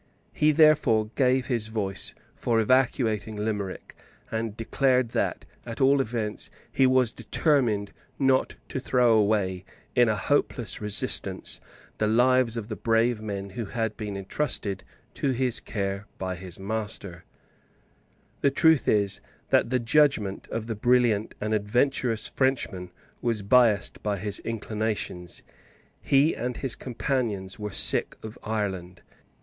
He therefore gave his voice for evacuating Limerick, and declared that, at all events, he was determined not to throw away in a hopeless resistance the lives of the brave men who had been entrusted to his care by his master, The truth is, that the judgment of the brilliant and adventurous Frenchman was biassed by his inclinations. He and his companions were sick of Ireland.